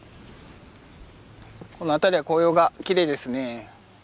この辺りは紅葉がきれいですね。